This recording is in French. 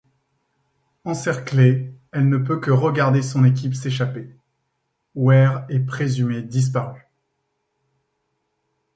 Encerclée, elle ne peut que regarder son équipe s'échapper... Weir est présumée disparue.